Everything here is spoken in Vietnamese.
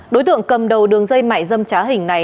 đối tượng cầm đầu đường dây mại dâm trá hình này